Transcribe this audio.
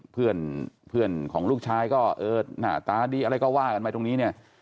เพื่อนเพื่อนของลูกชายก็เออหน้าตาดีอะไรก็ว่ากันไปตรงนี้เนี่ย